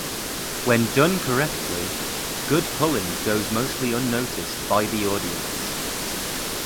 When done correctly, good pulling goes mostly unnoticed by the audience.